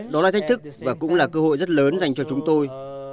đó là thách thức và cũng là cơ hội rất lớn dành cho chúng tôi